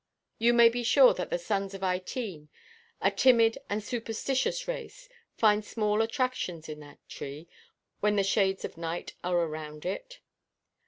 You may be sure that the sons of Ytene, a timid and superstitious race, find small attractions in that tree, when the shades of night are around it.